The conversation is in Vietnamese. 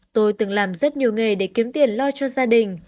tôi từng làm rất nhiều nghề để kiếm tiền lo cho gia đình